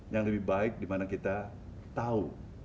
yang lebih baik di mana kita tahu